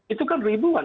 itu kan ribuan